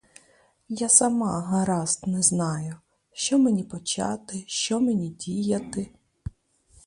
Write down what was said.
Я сама гаразд не знаю, що мені почати, що мені діяти.